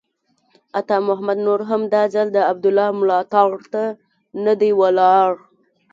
عطا محمد نور هم دا ځل د عبدالله ملاتړ ته نه دی ولاړ.